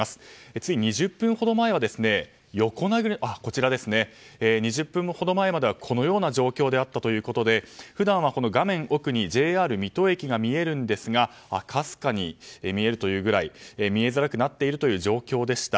つい２０分ほど前は、このような状況であったということで普段は画面奥にＪＲ水戸駅が見えるんですがかすかに見えるというぐらい見えづらくなっているという状況でした。